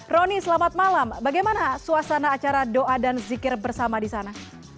roni selamat malam bagaimana suasana acara doa dan zikir bersama di sana